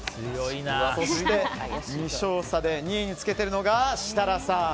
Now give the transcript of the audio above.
そして２勝差で２位につけているのが設楽さん。